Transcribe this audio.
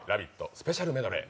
スペシャルメドレー。